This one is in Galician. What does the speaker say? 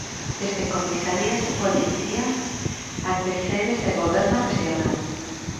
Desde comisarías de policía até sedes de goberno rexional.